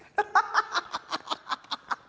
ハハハハハハ！